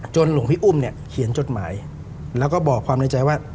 หลวงพี่อุ้มเนี่ยเขียนจดหมายแล้วก็บอกความในใจว่า